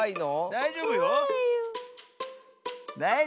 だいじょうぶよ。